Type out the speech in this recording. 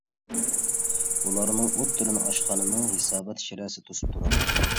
ئۇلارنىڭ ئوتتۇرىنى ئاشخانىنىڭ ھېسابات شىرەسى توسۇپ تۇراتتى.